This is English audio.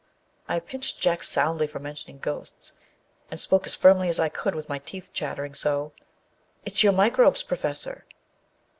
I pinched Jack soundly for mentioning ghosts, and spoke as firmly as I could with my teeth chattering so, â " It's your microbes, Professor."